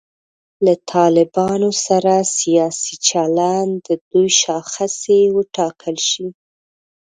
له طالبانو سره سیاسي چلند د دوی شاخصې وټاکل شي.